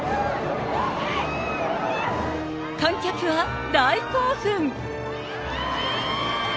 観客は大興奮。